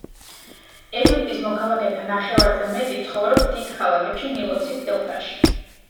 ეგვიპტის მოქალაქეთა ნახევარზე მეტი ცხოვრობს დიდ ქალაქებში ნილოსის დელტაში.